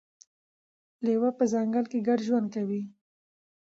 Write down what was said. لیوه په ځنګل کې ګډ ژوند کوي.